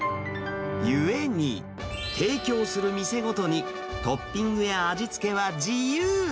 ゆえに、提供する店ごとにトッピングや味付けは自由。